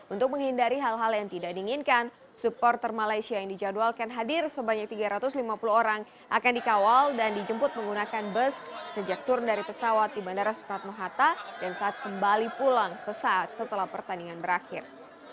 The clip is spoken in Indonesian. untuk menghindari hal hal yang tidak diinginkan supporter malaysia yang dijadwalkan hadir sebanyak tiga ratus lima puluh orang akan dikawal dan dijemput menggunakan bus sejak turun dari pesawat di bandara soekarno hatta dan saat kembali pulang sesaat setelah pertandingan berakhir